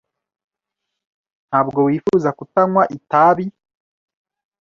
Ntabwo wifuza kutanywa itabi?